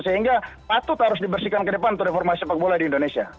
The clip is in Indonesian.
sehingga patut harus dibersihkan ke depan untuk reformasi sepak bola di indonesia